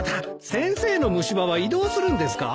先生の虫歯は移動するんですか？